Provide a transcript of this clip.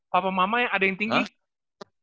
papa mama yang ada yang tinggi